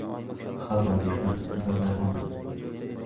Halol mehnat — mo'l daromad.